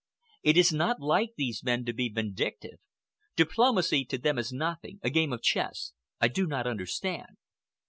It is not like these men to be vindictive. Diplomacy to them is nothing—a game of chess. I do not understand."